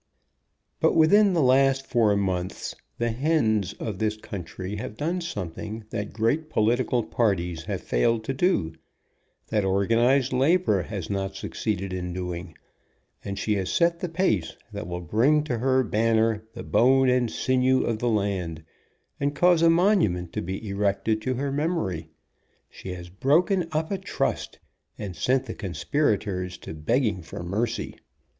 But within the last four months the hens of this country have done something that great political par ties have failed to do, that organized labor has not succeeded in doing, and she has set the pace that will bring to her banner the bone and sinew of the land, and cause a monument to be erected to her memory. She has broken up a trust, and sent the conspirators THE HEN IN POLITICS to begging for mercy.